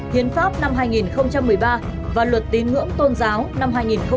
hiến pháp năm hai nghìn một mươi ba và luật tín ngưỡng tôn giáo năm hai nghìn một mươi bốn